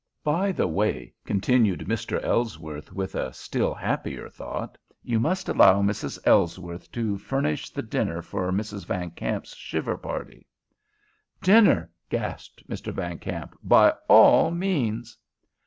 "By the way," continued Mr. Ellsworth, with a still happier thought, "you must allow Mrs. Ellsworth to furnish the dinner for Mrs. Van Kamp's shiver party." "Dinner!" gasped Mr. Van Kamp. "By all means!"